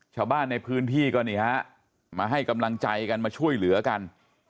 ชาวบ้านในพื้นที่ก็นี่ฮะมาให้กำลังใจกันมาช่วยเหลือกัน